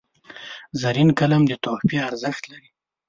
زرین قلم د تحفې ارزښت لري.